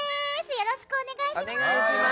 よろしくお願いします！